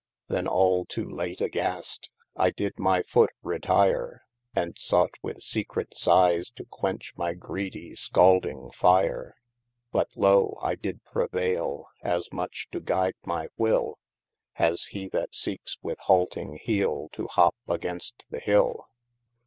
Then (all to late) agast, I did my foote retire, And sought with secret sighes to quench my gredie skalding fire But lo, I did prevaile asmuche to guide my will, As he that seekes with halting heele, to hop against the hill.